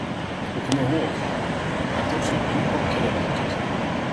Och kom ihåg, att också du bockar dig vackert.